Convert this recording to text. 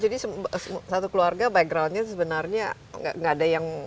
jadi satu keluarga backgroundnya sebenarnya gak ada yang